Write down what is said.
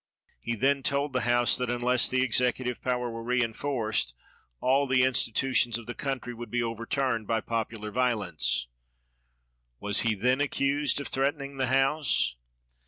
He then told the House that, unless the executive power were reinforced, all the in stitutions of the countrj^ would be overturned by popular \aolence. Was he then accused of threatening the House